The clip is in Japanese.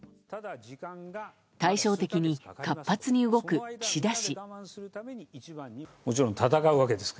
対照的に活発に動く岸田氏。